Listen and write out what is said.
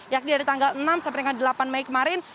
yakni dari tanggal enam sampai dengan delapan mei kemarin